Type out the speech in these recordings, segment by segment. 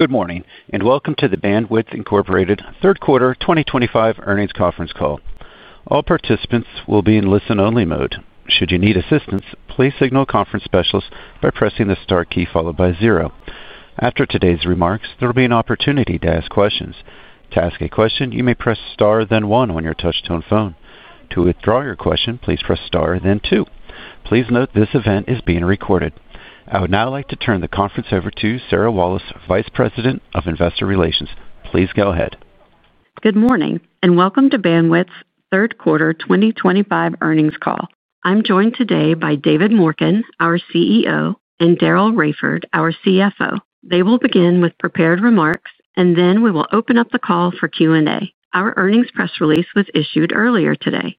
Good morning and welcome to the Bandwidth Inc. third quarter 2025 earnings conference call. All participants will be in listen-only mode. Should you need assistance, please signal a conference specialist by pressing the star key followed by zero. After today's remarks, there will be an opportunity to ask questions. To ask a question, you may press star then one on your touchtone phone. To withdraw your question, please press star then two. Please note this event is being recorded. I would now like to turn the conference over to Sarah Wallace, Vice President of Investor Relations. Please go ahead. Good morning and welcome to Bandwidth's third quarter 2025 earnings call. I'm joined today by David Morken, our CEO, and Daryl Raiford, our CFO. They will begin with prepared remarks and then we will open up the call for Q&A. Our earnings press release was issued earlier today.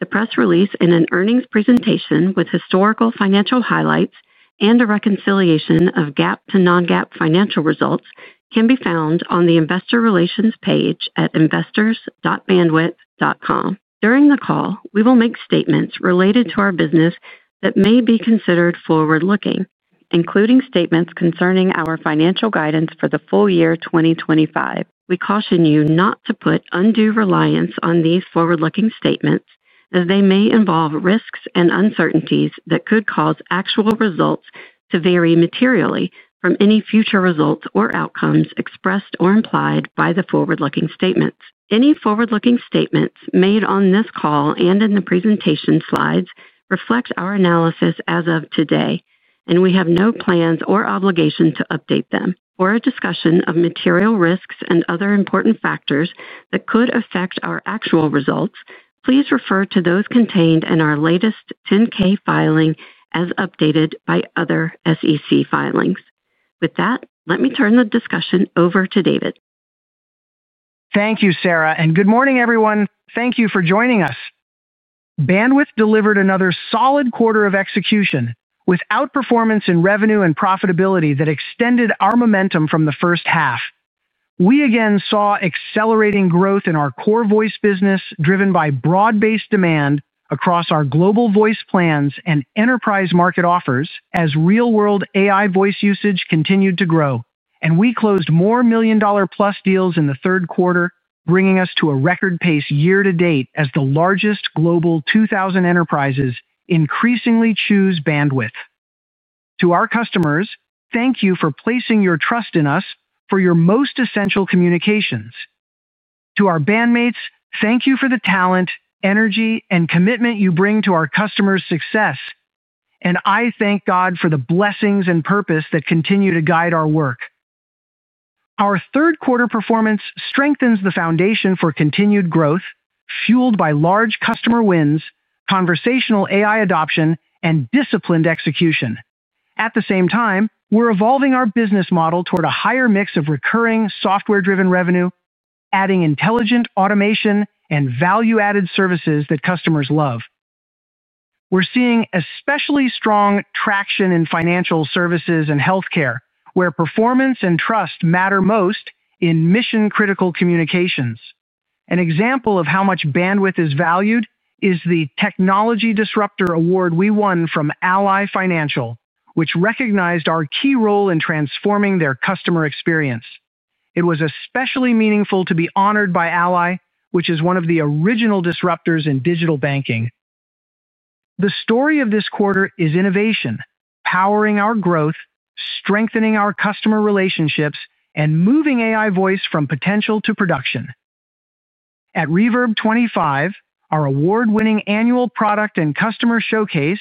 The press release and an earnings presentation with historical financial highlights and a reconciliation of GAAP to non-GAAP financial results can be found on the Investor Relations page at investors.bandwidth.com. During the call we will make statements related to our business that may be considered forward-looking, including statements concerning our financial guidance for the full year 2025. We caution you not to put undue reliance on these forward-looking statements as they may involve risks and uncertainties that could cause actual results to vary materially from any future results or outcomes expressed or implied by the forward-looking statements. Any forward-looking statements made on this call and in the presentation slides reflect our analysis as of today and we have no plans or obligation to update them. For a discussion of material risks and other important factors that could affect our actual results, please refer to those contained in our latest 10-K filing as updated by other SEC filings. With that, let me turn the discussion over to David. Thank you, Sarah, and good morning, everyone. Thank you for joining us. Bandwidth delivered another solid quarter of execution with outperformance in revenue and profitability that extended our momentum from the first half. We again saw accelerating growth in our core voice business, driven by broad-based demand across our Global Voice Plans and enterprise market offers. As real-world AI-powered voice usage continued to grow, we closed more million dollar plus deals in the third quarter, bringing us to a record pace year to date as the largest Global 2000 enterprises increasingly choose Bandwidth. To our customers, thank you for placing your trust in us for your most essential communications. To our bandmates, thank you for the talent, energy, and commitment you bring to our customers' success, and I thank God for the blessings and purpose that continue to guide our work. Our third quarter performance strengthens the foundation for continued growth fueled by large customer wins, conversational AI adoption, and disciplined execution. At the same time, we're evolving our business model toward a higher mix of recurring software-driven revenue and adding intelligent automation and value-added services that customers love. We're seeing especially strong traction in financial services and healthcare, where performance and trust matter most in mission-critical communications. An example of how much Bandwidth is valued is the Technology Disruptor award we won from Ally Financial, which recognized our key role in transforming their customer experience. It was especially meaningful to be honored by Ally, which is one of the original disruptors in digital banking. The story of this quarter is innovation powering our growth, strengthening our customer relationships, and moving AI-powered voice from potential to production. At Reverb25, our award-winning annual product and customer showcase,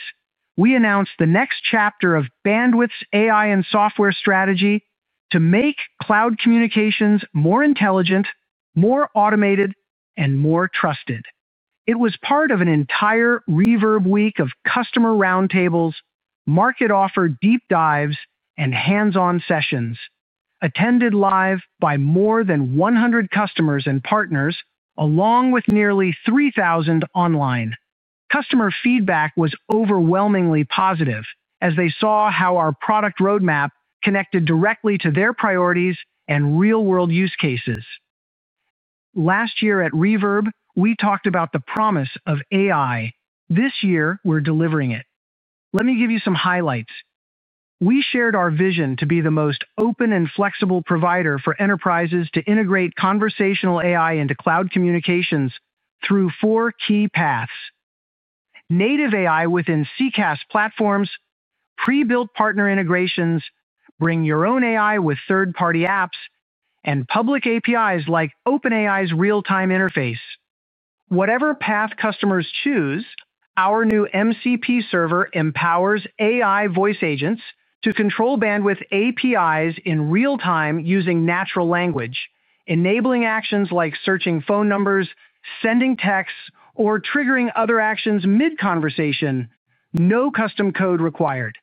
we announced the next chapter of Bandwidth's AI and software strategy to make cloud communications more intelligent, more automated, and more trusted. It was part of an entire Reverb week of customer roundtables, market offer deep dives, and hands-on sessions attended live by more than 100 customers and partners, along with nearly 3,000 online. Customer feedback was overwhelmingly positive as they saw how our product roadmap connected directly to their priorities and real-world use cases. Last year at Reverb, we talked about the promise of AI. This year we're delivering it. Let me give you some highlights. We shared our vision to be the most open and flexible provider for enterprises to integrate conversational AI into cloud communications through four key paths: native AI within CCaaS platforms, pre-built partner integrations, bring your own AI with third-party apps, and public APIs like OpenAI's real-time interface. Whatever path customers choose, our new MCP Server empowers AI voice agents to control Bandwidth APIs in real time using natural language, enabling actions like searching phone numbers, sending texts, or triggering other actions mid-conversation. No custom code required.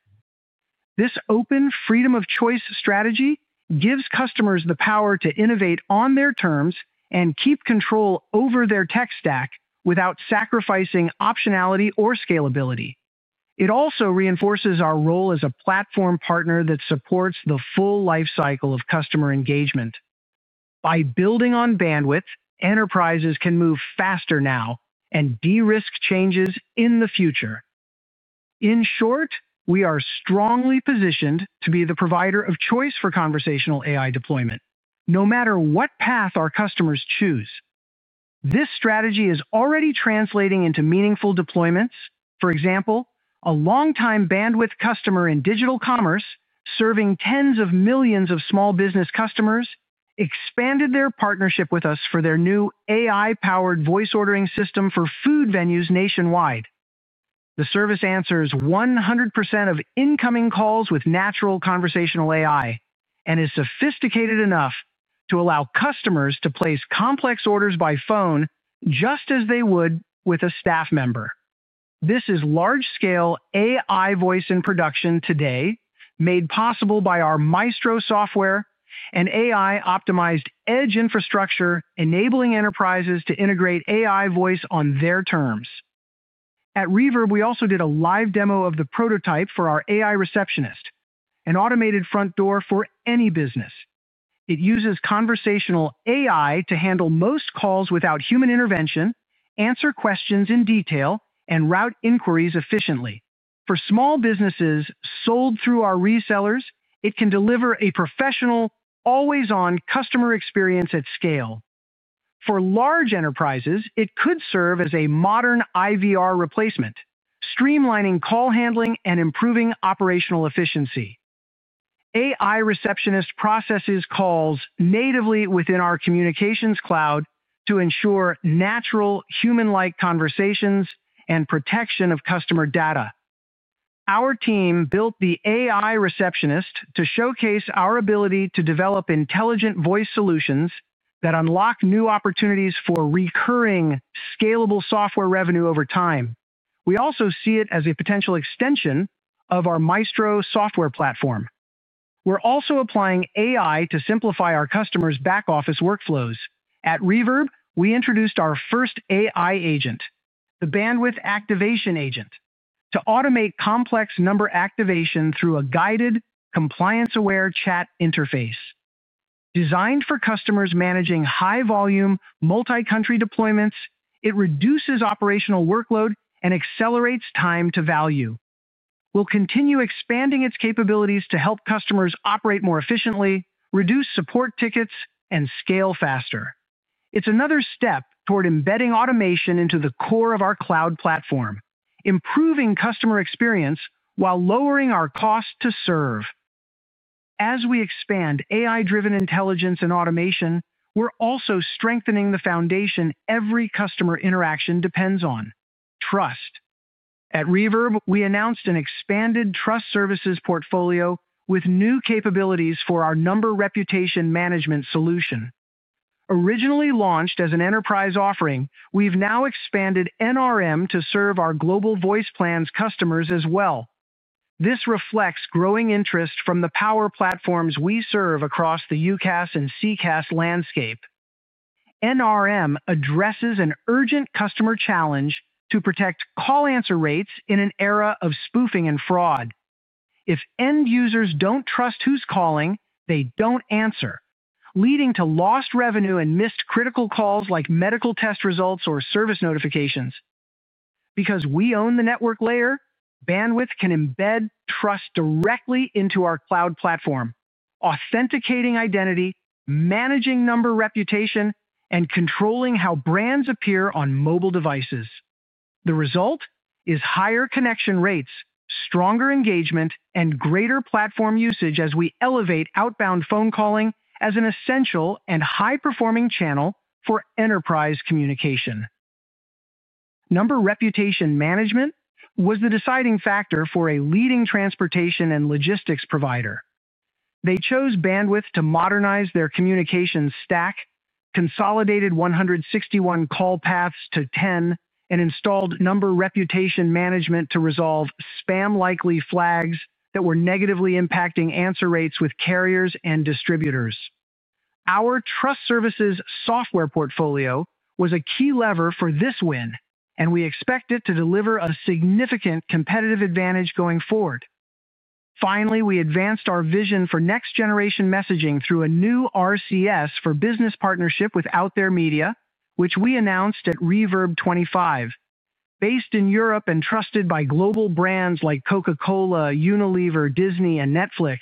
This open freedom of choice strategy gives customers the power to innovate on their terms and keep control over their tech stack without sacrificing optionality or scalability. It also reinforces our role as a platform partner that supports the full lifecycle of customer engagement. By building on Bandwidth, enterprises can move faster now and de-risk changes in the future. In short, we are strongly positioned to be the provider of choice for conversational AI deployment no matter what path our customers choose. This strategy is already translating into meaningful deployments. For example, a long-time Bandwidth customer in digital commerce serving tens of millions of small business customers expanded their partnership with us for their new AI-powered voice ordering system for food venues nationwide. The service answers 100% of incoming calls with natural conversational AI and is sophisticated enough to allow customers to place complex orders by phone just as they would with a staff member. This is large-scale AI-powered voice in production today, made possible by our Maestro software and AI-optimized edge infrastructure, enabling enterprises to integrate AI voice on their terms. At Reverb, we also did a live demo of the prototype for our AI Receptionist. An automated front door for any business, it uses conversational AI to handle most calls without human intervention, answer questions in detail, and route inquiries efficiently. For small businesses sold through our resellers, it can deliver a professional, always-on customer experience at scale. For large enterprises, it could serve as a modern IVR replacement, streamlining call handling and improving operational efficiency. AI Receptionist processes calls natively within our communications cloud to ensure natural, human-like conversations and protection of customer data. Our team built the AI Receptionist to showcase our ability to develop intelligent voice solutions that unlock new opportunities for recurring scalable software revenue over time. We also see it as a potential extension of our Maestro software platform. We're also applying AI to simplify our customers' back office workflows. At Reverb, we introduced our first AI agent, the Bandwidth Activation Agent, to automate complex number activation through a guided compliance-aware chat interface. Designed for customers managing high-volume, multi-country deployments, it reduces operational workload and accelerates time to value. We'll continue expanding its capabilities to help customers operate more efficiently, reduce support tickets, and scale faster. It's another step toward embedding automation into the core of our cloud communications platform, improving customer experience while lowering our cost to serve. As we expand AI-driven intelligence and automation, we're also strengthening the foundation. Every customer interaction depends on trust. At Reverb, we announced an expanded Trust Services portfolio with new capabilities for our Number Reputation Management solution. Originally launched as an enterprise offering, we've now expanded NRM to serve our Global Voice Plans customers as well. This reflects growing interest from the power platforms we serve across the UCaaS and CCaaS landscape. NRM addresses an urgent customer challenge to protect call answer rates in an era of spoofing and fraud. If end users don't trust who's calling, they don't answer, leading to lost revenue and missed critical calls like medical test results or service notifications. Because we own the network layer, Bandwidth can embed trust directly into our cloud communications platform, authenticating identity, managing number reputation, and controlling how brands appear on mobile devices. The result is higher connection rates, stronger engagement, and greater platform usage as we elevate outbound phone calling as an essential and high-performing channel for enterprise communication. Number Reputation Management was the deciding factor for a leading transportation and logistics provider. They chose Bandwidth to modernize their communications stack, consolidated 161 call paths to 10, and installed Number Reputation Management to resolve spam likely flags that were negatively impacting answer rates with carriers and distributors. Our Trust Services portfolio was a key lever for this win, and we expect it to deliver a significant competitive advantage going forward. Finally, we advanced our vision for next generation messaging through a new RCS for business partnership with Out There Media, which we announced at Reverb25. Based in Europe and trusted by global brands like Coca-Cola, Unilever, Disney, and Netflix,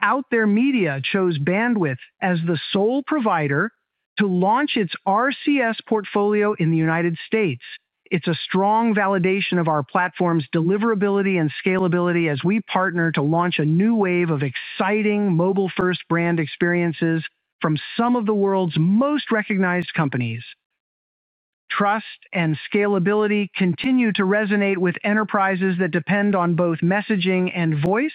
Out There Media chose Bandwidth as the sole provider to launch its RCS portfolio in the United States. It's a strong validation of our platform's deliverability and scalability as we partner to launch a new wave of exciting mobile-first brand experiences from some of the world's most recognized companies. Trust and scalability continue to resonate with enterprises that depend on both messaging and voice,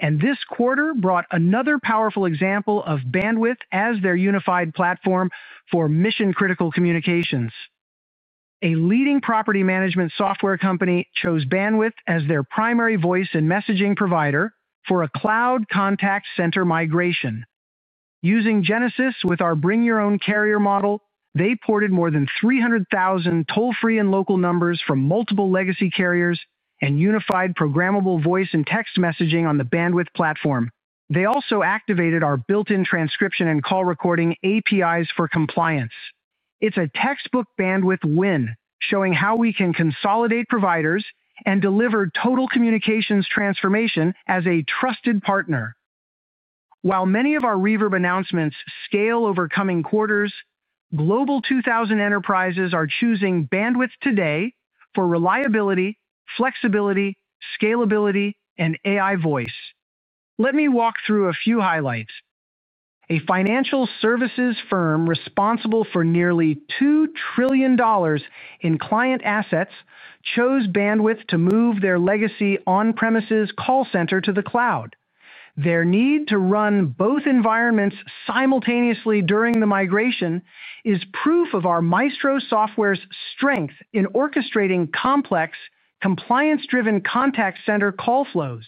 and this quarter brought another powerful example of Bandwidth as their unified platform for mission critical communications. A leading property management software company chose Bandwidth as their primary voice and messaging provider for a cloud contact center migration using Genesys. With our bring your own carrier model, they ported more than 300,000 toll-free and local numbers from multiple legacy carriers and unified programmable voice and text messaging on the Bandwidth platform. They also activated our built-in transcription and call recording APIs for compliance. It's a textbook Bandwidth win, showing how we can consolidate providers and deliver total communications transformation as a trusted partner. While many of our Reverb25 announcements scale over coming quarters, Global 2000 enterprises are choosing Bandwidth today for reliability, flexibility, scalability, and AI-powered voice. Let me walk through a few highlights. A financial services firm responsible for nearly $2 trillion in client assets chose Bandwidth to move their legacy on-prem call center to the cloud. Their need to run both environments simultaneously during the migration is proof of our Maestro software's strength in orchestrating complex compliance-driven contact center call flows.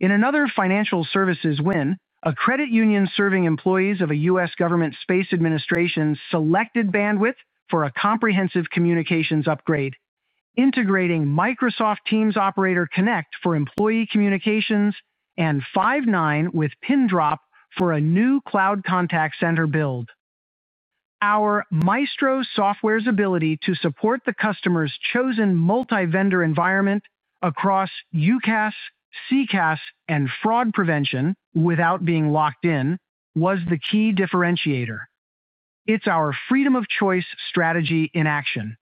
In another financial services win, a credit union serving employees of a U.S. government space administration selected Bandwidth for a comprehensive communications upgrade integrating Microsoft Teams Operator Connect for employee communications and Five9 with Pindrop for a new cloud contact center build. Our Maestro software's ability to support the customer's chosen multi-vendor environment across UCaaS, CCaaS, and fraud prevention without being locked in was the key differentiator. It's our freedom of choice strategy in action.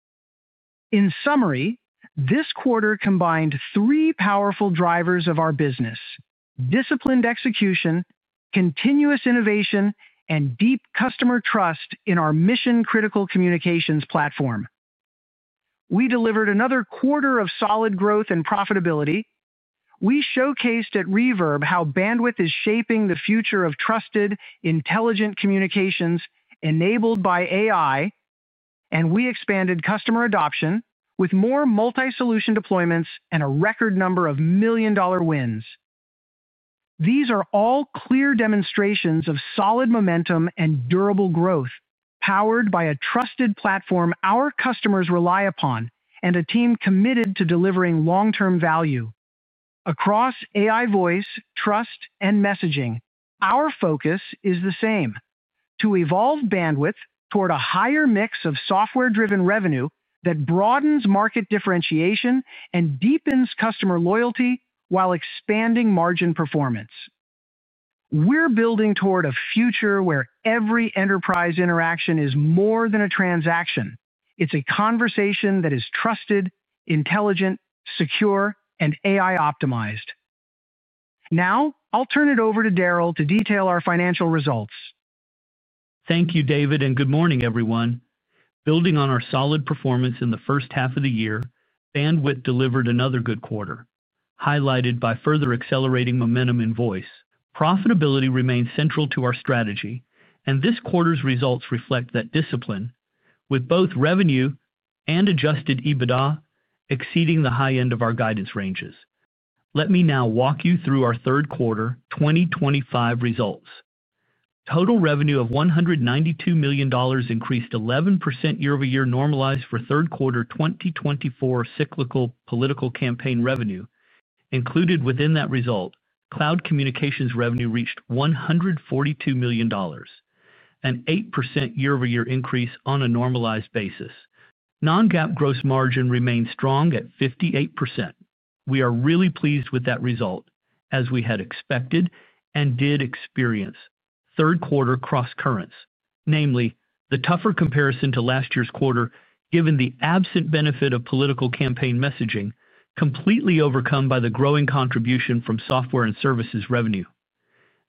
In summary, this quarter combined three powerful drivers of our business: disciplined execution, continuous innovation, and deep customer trust. In our mission-critical communications platform, we delivered another quarter of solid growth and profitability. We showcased at Reverb how Bandwidth is shaping the future of trusted, intelligent communications enabled by AI, and we expanded customer adoption with more multi-solution deployments and a record number of million dollar wins. These are all clear demonstrations of solid momentum and durable growth powered by a trusted platform our customers rely upon and a team committed to delivering long-term value across AI, Voice, trust, and Messaging. Our focus is the same: to evolve Bandwidth toward a higher mix of software-driven revenue that broadens market differentiation and deepens customer loyalty while expanding margin performance. We're building toward a future where every enterprise interaction is more than a transaction, it's a conversation that is trusted, intelligent, secure, and AI-optimized. Now I'll turn it over to Daryl to detail our financial results. Thank you, David, and good morning, everyone. Building on our solid performance in the first half of the year, Bandwidth delivered another good quarter highlighted by further accelerating momentum in Voice. Profitability remains central to our strategy, and this quarter's results reflect that discipline with both revenue and adjusted EBITDA exceeding the high end of our guidance ranges. Let me now walk you through our third quarter 2025 results. Total revenue of $192 million increased 11% year over year, normalized for third quarter 2024 cyclical political campaign revenue included. Within that result, Cloud Communications Services revenue reached $142 million, an 8% year over year increase on a normalized basis. Non-GAAP gross margin remained strong at 58%. We are really pleased with that result as we had expected and did experience third quarter crosscurrents, namely the tougher comparison to last year's quarter given the absent benefit of political campaign Messaging, completely overcome by the growing contribution from software and services revenue.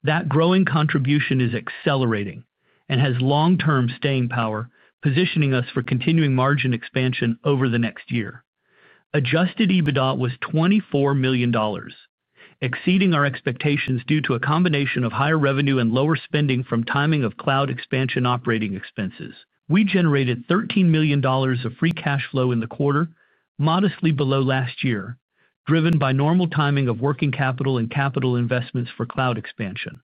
That growing contribution is accelerating and has long-term staying power, positioning us for continuing margin expansion over the next year. Adjusted EBITDA was $24 million, exceeding our expectations due to a combination of higher revenue and lower spending from timing of cloud expansion operating expenses. We generated $13 million of free cash flow in the quarter, modestly below last year, driven by normal timing of working capital and capital investments for cloud expansion.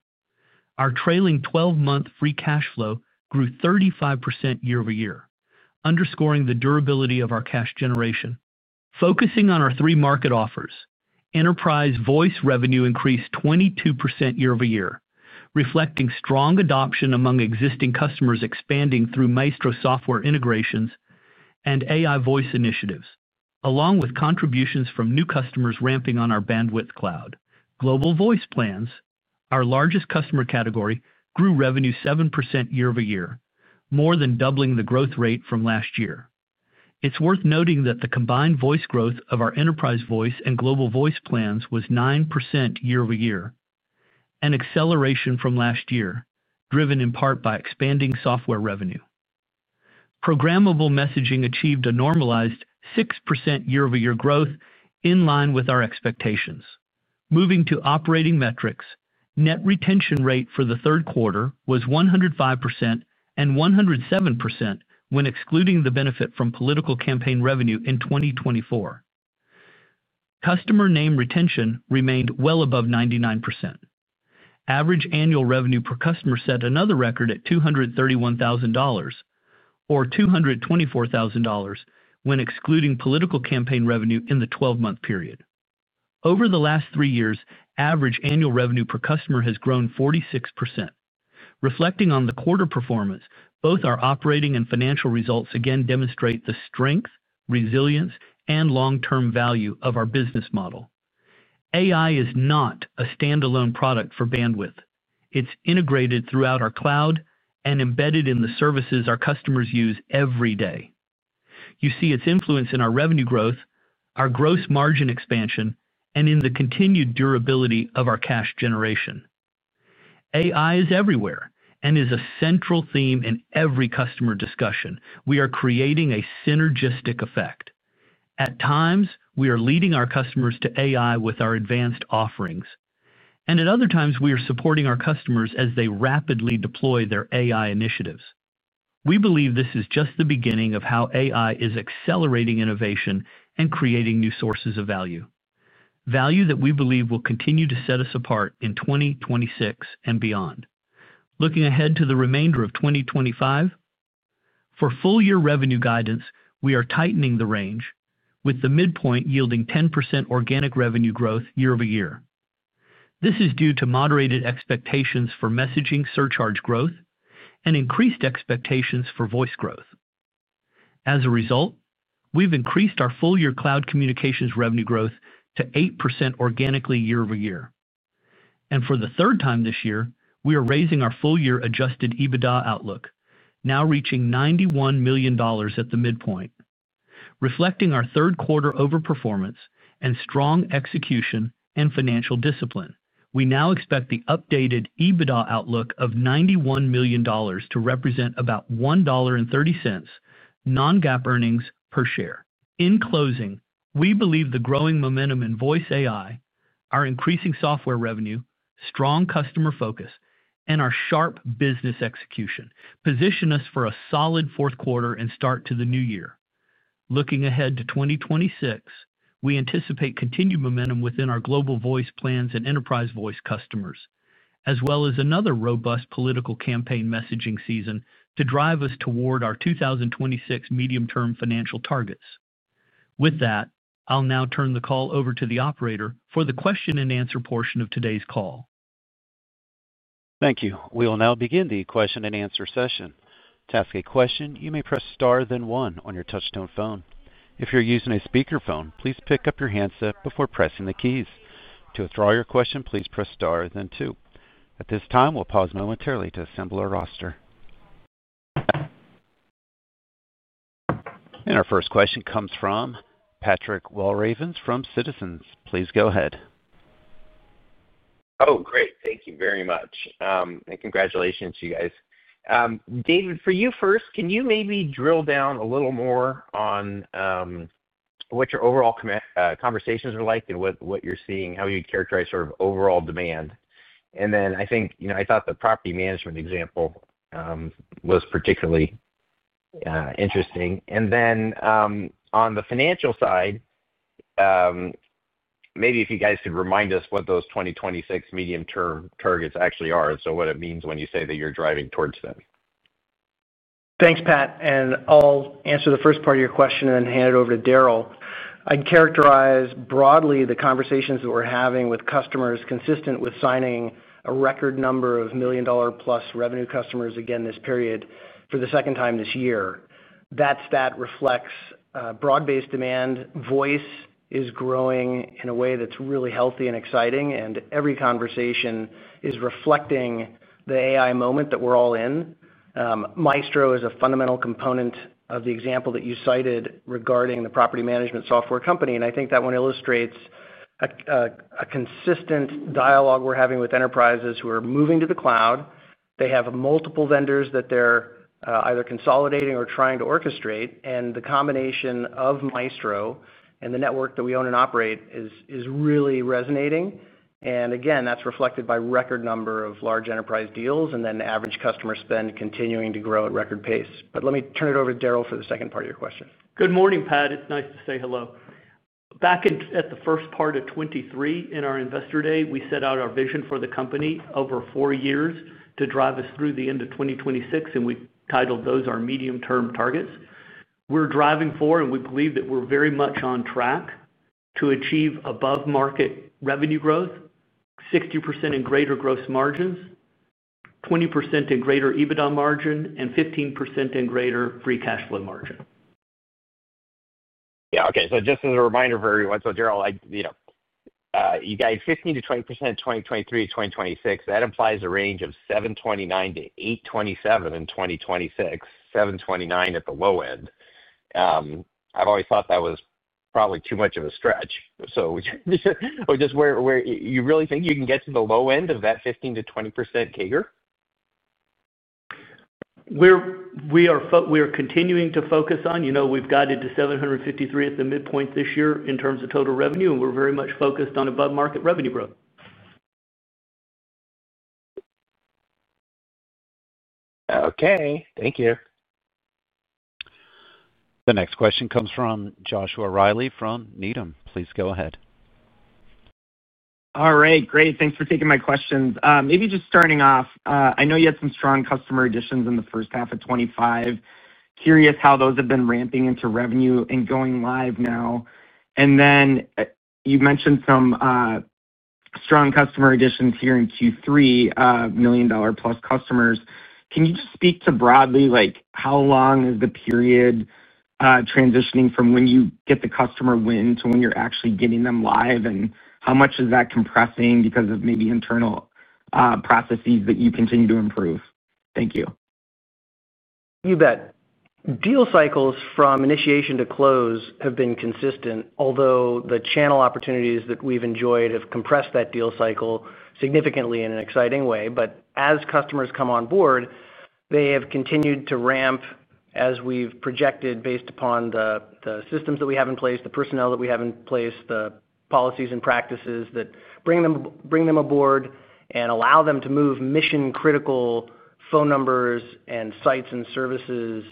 Our trailing 12-month free cash flow grew 35% year over year, underscoring the durability of our cash generation focusing on our three market offers. Enterprise Voice revenue increased 22% year over year, reflecting strong adoption among existing customers, expanding through Maestro software integrations and AI-powered voice initiatives along with contributions from new customers ramping on our Bandwidth Cloud Global Voice Plans. Our largest customer category grew revenue 7% year over year, more than doubling the growth rate from last year. It's worth noting that the combined Voice growth of our Enterprise Voice and Global Voice Plans was 9% year over year, an acceleration from last year driven in part by expanding software revenue. Programmable Messaging achieved a normalized 6% year over year growth in line with our expectations. Moving to operating metrics, net retention rate for the third quarter was 105% and 107% when excluding the benefit from political campaign revenue. In 2024, customer name retention remained well above 99%. Average annual revenue per customer set another record at $231,000 or $224,000 when excluding political campaign revenue in the 12-month period. Over the last three years, average annual revenue per customer has grown 46%. Reflecting on the quarter performance, both our operating and financial results again demonstrate the strength, resilience, and long-term value of our business model. AI is not a standalone product for Bandwidth. It's integrated throughout our cloud and embedded in the services our customers use every day. You see its influence in our revenue growth, our gross margin expansion, and in the continued durability of our cash generation. AI is everywhere and is a central theme in every customer discussion. We are creating a synergistic effect. At times we are leading our customers to AI with our advanced offerings and at other times we are supporting our customers as they rapidly deploy their AI initiatives. We believe this is just the beginning of how AI is accelerating innovation and creating new sources of value, value that we believe will continue to set us apart in 2026 and beyond. Looking ahead to the remainder of 2025 for full-year revenue guidance, we are tightening the range with the midpoint yielding 10% organic revenue growth year over year. This is due to moderated expectations for messaging surcharge growth and increased expectations for voice growth. As a result, we've increased our full-year cloud communications revenue growth to 8% organically year over year. For the third time this year, we are raising our full-year adjusted EBITDA outlook, now reaching $91 million at the midpoint, reflecting our third quarter overperformance and strong execution and financial discipline. We now expect the updated EBITDA outlook of $91 million to represent about $1.3 non-GAAP earnings per share. In closing, we believe the growing momentum in voice AI, our increasing software revenue, strong customer focus, and our sharp business execution position us for a solid fourth quarter and start to the new year. Looking ahead to 2026, we anticipate continued momentum within our Global Voice Plans and Enterprise Voice customers, as well as another robust political campaign messaging season to drive us toward our 2026 medium-term financial targets. With that, I'll now turn the call over to the operator for the question and answer portion of today's call. Thank you. We will now begin the question and answer session. To ask a question, you may press Star then one on your touchtone phone. If you're using a speakerphone, please pick up your handset before pressing the keys. To withdraw your question, please press Star then two. At this time, we'll pause momentarily to assemble our roster. Our first question comes from Pat Walravens from Citizens. Please go ahead. Oh, great. Thank you very much, and congratulations to you guys. David, for you first, can you maybe. Drill down a little more on what your overall conversations are like and what you're seeing, how you characterize sort of overall demand? I thought the. Property management example was particularly interesting. On the financial side. Maybe if you guys could remind us what those 2026 medium term targets actually are, what it means when you say that you're driving towards them. Thanks, Pat. I'll answer the first part of your question and then hand it over to Daryl. I'd characterize broadly the conversations that we're having with customers consistently with signing a record number of $1 million plus revenue customers again this period for the second time this year. That stat reflects broad-based demand. Voice is growing in a way that's really healthy and exciting, and every conversation is reflecting the AI moment that we're all in. Maestro is a fundamental component of the example that you cited regarding the property management software company. I think that one illustrates a consistent dialogue we're having with enterprises who are moving to the cloud. They have multiple vendors that they're either consolidating or trying to orchestrate, and the combination of Maestro and the network that we own and operate is really resonating. That is reflected by record number of large enterprise deals and average customer spend continuing to grow at record pace. Let me turn it over to Daryl for the second part of your question. Good morning, Pat. It's nice to say hello. Back at the first part of 2023 in our investor day, we set out our vision for the company over four years to drive us through the end of 2026, and we titled those our medium term targets we're driving for. We believe that we're very much on track to achieve above market revenue growth, 60% and greater gross margins, 20% and greater EBITDA margin, and 15% and greater free cash flow margin. Yeah. Okay, just as a reminder for everyone, Daryl, you guys, 15%-20%, 2023, 2026, that implies a range of $729 million-$827 million in 2026. $729 million at the low end. I've always thought that was probably too much of a stretch. Just where you really think you can get to the low end of that 15%-20% CAGR. We are continuing to focus on, you know, we've guided to $753 million at the midpoint this year in terms of total revenue, and we're very much focused on above market revenue growth. Okay, thank you. The next question comes from Joshua Riley from Needham. Please go ahead. All right, great. Thanks for taking my questions. Maybe just starting off, I know you had some strong customer additions in first half of 2025. Curious how those have been ramping into revenue and going live now. You mentioned some strong customer additions here in Q3, million dollar plus customers. Can you just speak to broadly how long is the period transitioning from when you get the customer win to when you're actually getting them live and how much is that compressing because of maybe internal processes that you continue to improve? Thank you. You bet. Deal cycles from initiation to close have been consistent, although the channel opportunities that we've enjoyed have compressed that deal cycle significantly in an exciting way. As customers come on board, they have continued to ramp as we've projected based upon the systems that we have in place, the personnel that we have in place, the policies and practices that bring them aboard and allow them to move mission critical phone numbers and sites and services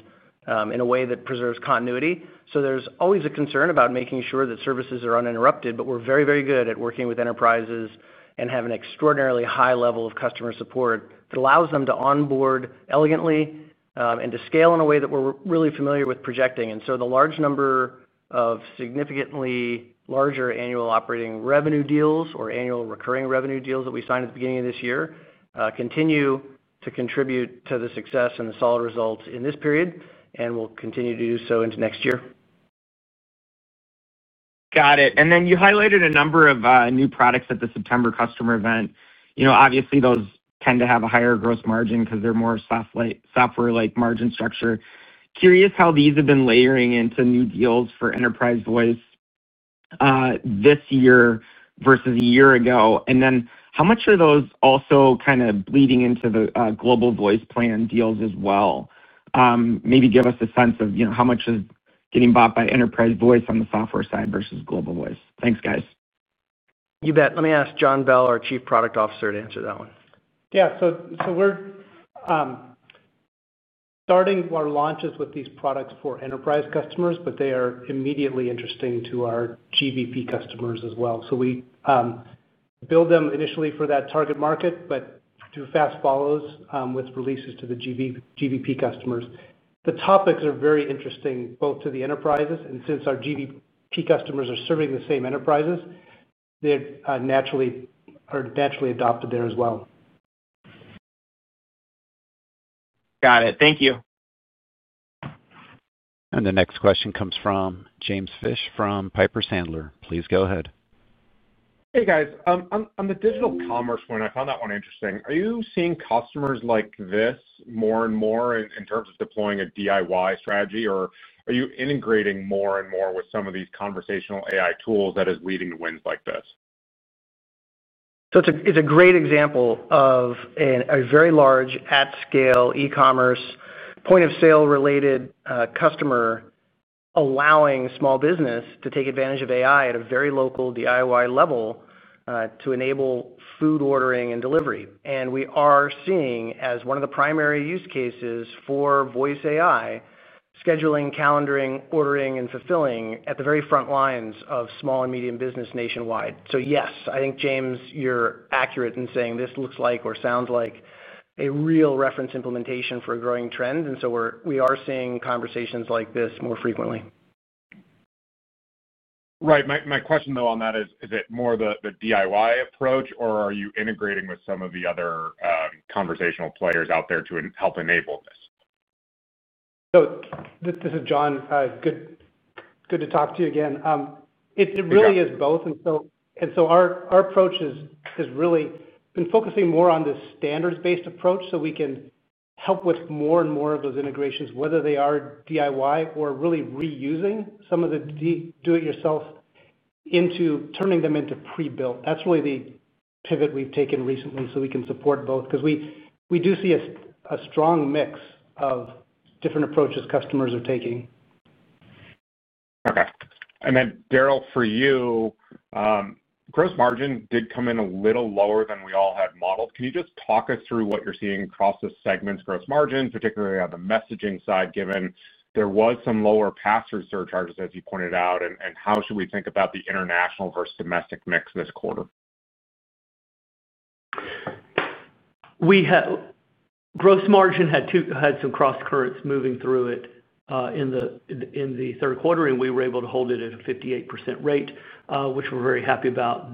in a way that preserves continuity. There's always a concern about making sure that services are uninterrupted. We are very, very good at working. With enterprises and have an extraordinarily high level of customer support that allows them to onboard elegantly and to scale in a way that we're really familiar with projecting. The large number of significantly larger annual operating revenue deals or annual recurring revenue deals that we signed at the beginning of this year continue to contribute to the success and the solid results in this period and will continue to do so into next year. Got it. You highlighted a number of new products at the September customer event. Obviously, those tend to have a higher gross margin because they're more software-like margin structure. Curious how these have been layering into new deals for Enterprise Voice this year versus a year ago. How much are those also kind of bleeding into the Global Voice Plans deals as well? Maybe give us a sense of how much is getting bought by Enterprise Voice on the software side versus Global Voice. Thanks, guys. You bet. Let me ask John Bell, our Chief Product Officer, to answer that one. Yeah. We're starting our launches with these products for enterprise customers, but they are immediately interesting to our GVP customers as well. We build them initially for that target market, but do fast follows with releases to the GlVP customers. The topics are very interesting both to the enterprises, and since our GVP key customers are serving the same enterprises, they are naturally adopted there as well. Got it. Thank you. The next question comes from James Fish from Piper Sandler. Please go ahead. Hey guys, on the digital commerce, when I found that one interesting, are you seeing customers like this more and more in terms of deploying a DIY strategy, or are you integrating more and more with some of these conversational AI tools that is leading to wins like this? It's a great example of a very large, at-scale e-commerce point-of-sale related customer allowing small business to take advantage of AI at a very local DIY level to enable food ordering and delivery. We are seeing this as one of the primary use cases for voice AI: scheduling, calendaring, ordering, and fulfilling at the very front lines of small and medium business nationwide. Yes, I think James, you're accurate in saying this looks like or sounds like a real reference implementation for a growing trend. We are seeing conversations like this more frequently. Right. My question on that is, is it more the DIY approach, or are you integrating with some of the other conversational players out there to help enable this? This is John, good to talk to you again. It really is both, and our approach has really been focusing more on this standards-based approach so we can help with more and more of those integrations, whether they are DIY or really reusing some of the do-it-yourself into turning them into pre-built. That's really the pivot we've taken recently. We can support both because we do see a strong mix of different approaches customers are taking. Okay, and then Daryl, for you, gross margin did come in a little lower than we all had modeled. Can you just talk us through what you're seeing across the segment's gross margin, particularly on the Messaging side given there was some lower pass through surcharges as you pointed out, and how should we think about the international versus domestic mix. This quarter. We have gross margin, had some cross currents moving through it in the third quarter, and we were able to hold it at a 58% rate, which we're very happy about.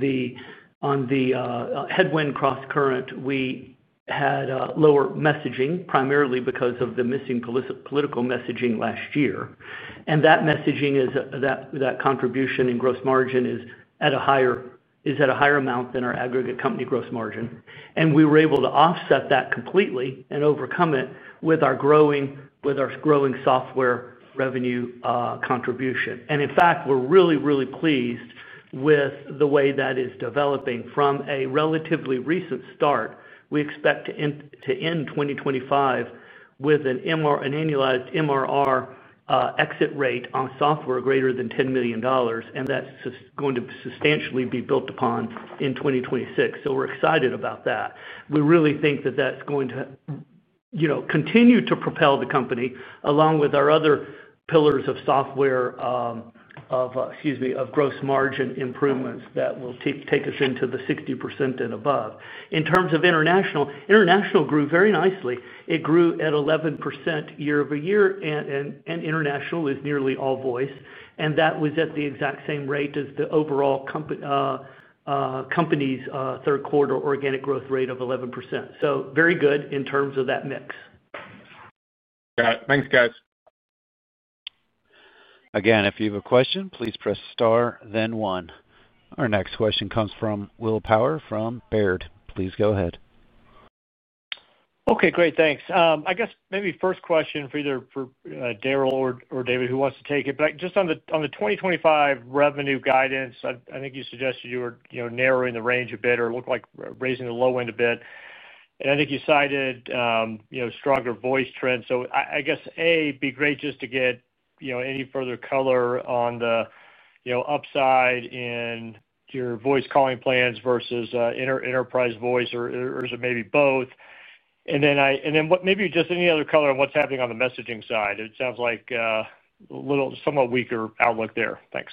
On the headwind crosscurrent, we had lower messaging primarily because of the missing political messaging last year. That messaging contribution in gross margin is at a higher amount than our aggregate company gross margin. We were able to offset that completely and overcome it with our growing software revenue contribution. In fact, we're really, really pleased with the way that is developing from a relatively recent start. We expect to end 2025 with an annualized MRR exit rate on software greater than $10 million, and that's going to substantially be built upon in 2026. We're excited about that. We really think that that's going to continue to propel the company along with our other pillars of gross margin improvements that will take us into the 60% and above. In terms of international, International Group very nicely. It grew at 11% year over year, and international is nearly all voice, and that was at the exact same rate as the overall company's third quarter organic growth rate of 11%. Very good in terms of that mix. Got it. Thanks guys. Again, if you have a question, please press star then one. Our next question comes from Will Power from Baird. Please go ahead. Okay, great. Thanks. I guess maybe first question for either Daryl or David, who wants to take it back just on the 2025 revenue guidance. I think you suggested you were narrowing the range a bit or looked like raising the low end a bit. I think you cited stronger voice trends. It would be great just to get any further color on the upside in your voice calling plans versus Enterprise Voice, or is it maybe both? Maybe just any other color on what's happening on the Messaging side, it sounds like a somewhat weaker outlook there. Thanks.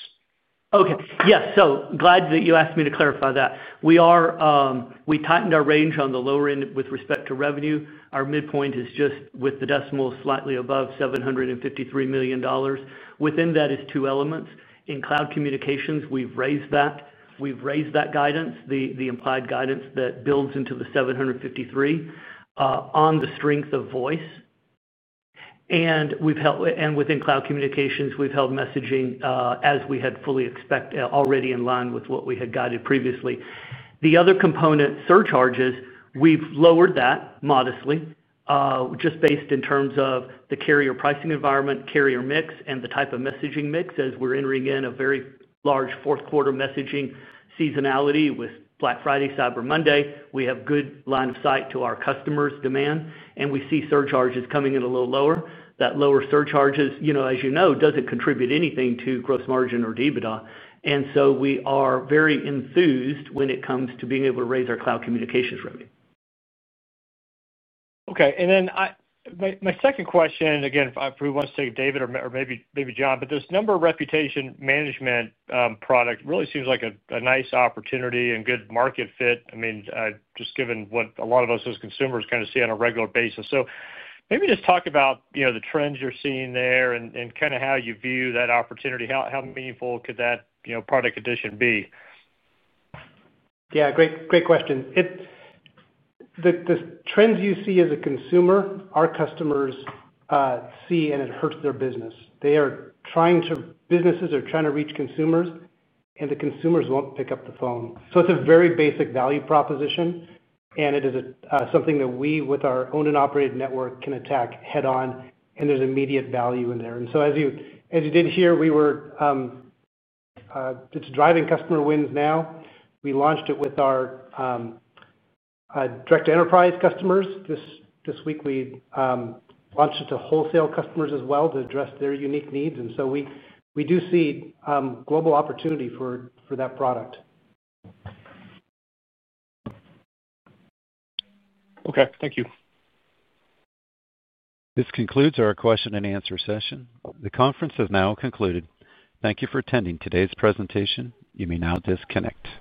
Okay. Yes, so glad that you asked me to clarify that. We are. We tightened our range on the lower end with respect to revenue. Our midpoint is just with the decimal slightly above $753 million. Within that is two elements in cloud communications. We've raised that. We've raised that guidance, the implied guidance that builds into the $753 million on the strength of voice. Within cloud communications, we've held messaging as we had fully expected already in line with what we had guided previously. The other component, surcharges, we've lowered that modestly just based in terms of the carrier pricing environment, carrier mix, and the type of messaging mix as we're entering in a very large fourth quarter messaging seasonality with Black Friday, Cyber Monday. We have good line of sight to our customers' demand and we see surcharges coming in a little lower. That lower surcharges, you know, as you know, doesn't contribute anything to gross margin or EBITDA. We are very enthused when it comes to being able to raise our cloud communications revenue. Okay, and then my second question, again if we want to say David or maybe John, but this Number Reputation Management product really seems like a nice opportunity and good market fit. I mean just given what a lot of us as consumers kind of see on a regular basis. Maybe just talk about the trends you're seeing there and kind of how you view that opportunity. How meaningful could that be, you know, product edition be. Yeah, great, great question. The trends you see as a consumer, our customers see and it hurts their business. They are trying to. Businesses are trying to reach consumers and the consumers won't pick up the phone. It is a very basic value proposition and it is something that we with our owned and operated network can attack head on. There's immediate value in there. As you did hear, it's driving customer wins now. We launched it with our direct to enterprise customers this week. We launched it to wholesale customers as well to address their unique needs. We do see global opportunity for that product. Okay, thank you. This concludes our question and answer session. The conference has now concluded. Thank you for attending today's presentation. You may now disconnect.